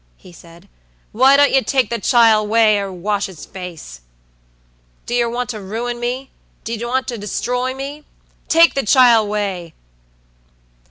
he said. "Why don't you take th' chile 'way, er wash 's face? D'yer want to ruin me? D'yer want to 'stroy me? Take th' chile 'way!